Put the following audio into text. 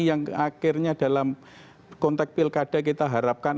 yang akhirnya dalam konteks pilkada kita harapkan